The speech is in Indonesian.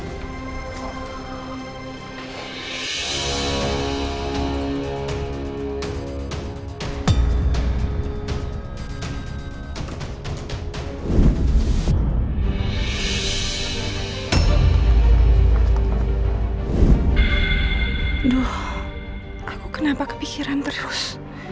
aduh aku kenapa kepikiran terus